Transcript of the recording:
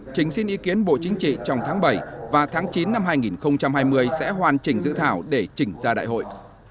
chính xin ý kiến bộ chính trị trong tháng bảy và tháng chín năm hai nghìn hai mươi sẽ hoàn chỉnh dự thảo để chỉnh ra đại hội